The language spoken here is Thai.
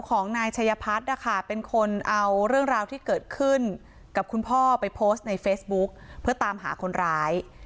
ของนายชัยพัฒน์นะคะเป็นคนเอาเรื่องราวที่เกิดขึ้นกับคุณพ่อไปโพสต์ในเฟซบุ๊กเพื่อตามหาคนร้าย